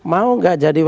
mau enggak jadi